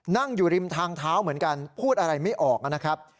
นั่งอยู่ริมทางเท้าเหมือนกันพูดอะไรไม่ออกนะครับ